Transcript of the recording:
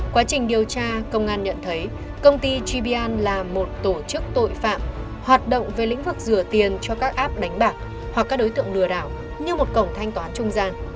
quá trình điều tra công an nhận thấy công ty gb là một tổ chức tội phạm hoạt động về lĩnh vực rửa tiền cho các app đánh bạc hoặc các đối tượng lừa đảo như một cổng thanh toán trung gian